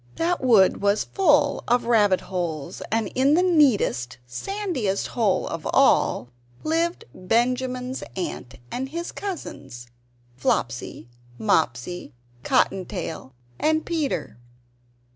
That wood was full of rabbit holes; and in the neatest, sandiest hole of all lived Benjamin's aunt and his cousins Flopsy, Mopsy, Cotton tail, and Peter.